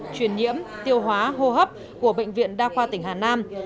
truyền nhiễm tiêu hóa hô hấp của bệnh viện đa khoa tỉnh hà nam